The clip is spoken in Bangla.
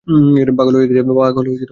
পাগল হয়ে গেছে!